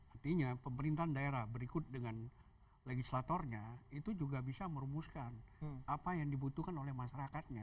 artinya pemerintahan daerah berikut dengan legislatornya itu juga bisa merumuskan apa yang dibutuhkan oleh masyarakatnya